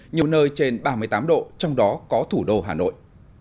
nhiều nơi trên ba mươi tám độ trong đó có thủ đô hà nội